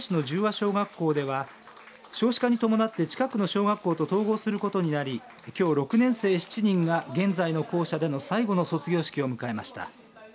小学校では少子化に伴って近くの小学校と統合することになりきょう６年生７人が現在の校舎での最後の卒業式を迎えました。